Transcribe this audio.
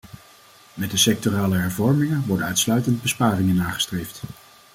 Met de sectorale hervormingen worden uitsluitend besparingen nagestreefd.